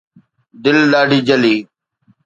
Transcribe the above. دل ڏاڍي جلي